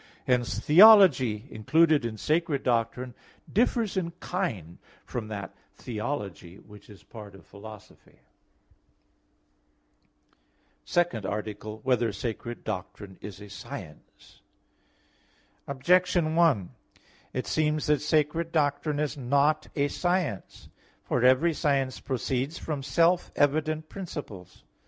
Hence theology included in sacred doctrine differs in kind from that theology which is part of philosophy. _______________________ SECOND ARTICLE [I, Q. 1, Art. 2] Whether Sacred Doctrine Is a Science? Objection 1: It seems that sacred doctrine is not a science. For every science proceeds from self evident principles.